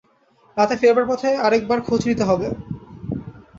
রাতে ফেরবার পথে আরেক বার খোঁজ নিতে হবে।